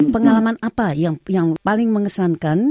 pengalaman apa yang paling mengesankan